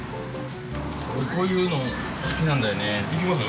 俺こういうの好きなんだよね。